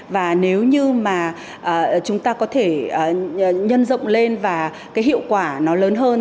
và nếu như mà chúng ta có thể nhân rộng lên và cái hiệu quả nó lớn hơn